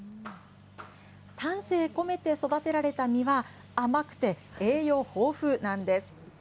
丹精込めて育てられた実は、甘くて栄養豊富なんです。